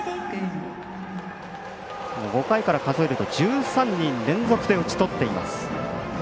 ５回から数えると１３人連続で打ち取っています。